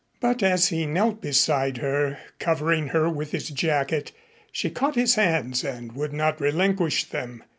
But as he knelt beside her, covering her with his jacket, she caught his hands and would not relinquish them.